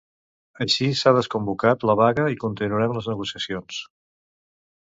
Així, s'ha desconvocat la vaga i continuaran les negociacions.